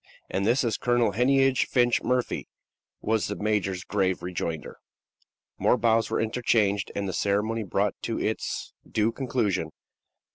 "And this is Colonel Heneage Finch Murphy," was the major's grave rejoinder. More bows were interchanged and the ceremony brought to its due conclusion.